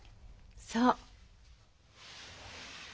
そう。